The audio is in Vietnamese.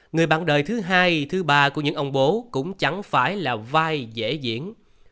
người bạn đời thứ hai thứ ba của những ông bố cũng chẳng phải là vai dễ diễn